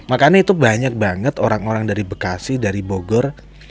makanya itu banyak banget orang orang dari bekasi dari bogor